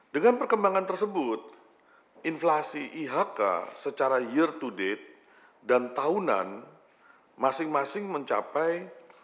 dengan perkembangan tersebut inflasi ihk secara year to date dan tahunan masing masing mencapai